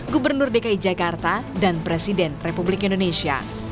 gubernur dki jakarta dan presiden republik indonesia